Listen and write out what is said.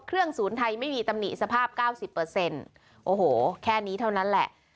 เครื่องศูนย์ไทยไม่มีตำหนิสภาพเก้าสิบเปอร์เซ็นต์โอ้โหแค่นี้เท่านั้นแหละ